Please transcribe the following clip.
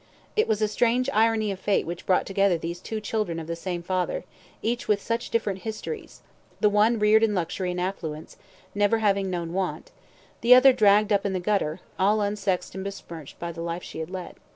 It was a strange irony of fate which brought together these two children of the same father, each with such different histories the one reared in luxury and affluence, never having known want; the other dragged up in the gutter, all unsexed and besmirched by the life she had led.